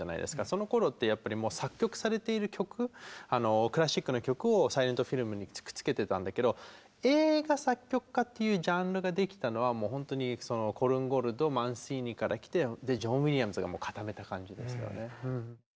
そのころってやっぱりもう作曲されている曲クラシックの曲をサイレントフィルムにくっつけてたんだけど映画作曲家っていうジャンルができたのはもう本当にコルンゴルトマンシーニから来てでジョン・ウィリアムズがもう固めた感じですよね。